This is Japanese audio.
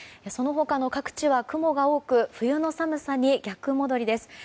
その他の各地は雲が多く冬の寒さに逆戻りです。